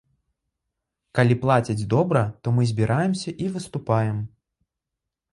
Калі плацяць добра, то мы збіраемся і выступаем.